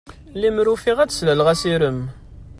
Limer ufiɣ ad d-slaleɣ asirem.